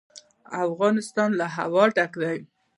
افغانستان له هوا ډک دی.